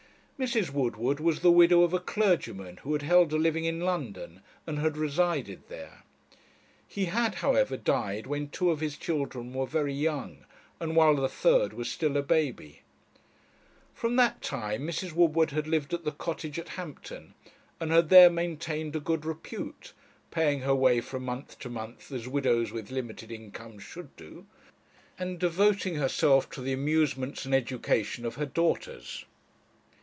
Mrs. Woodward was the widow of a clergyman who had held a living in London, and had resided there. He had, however, died when two of his children were very young, and while the third was still a baby. From that time Mrs. Woodward had lived at the cottage at Hampton, and had there maintained a good repute, paying her way from month to month as widows with limited incomes should do, and devoting herself to the amusements and education of her daughters.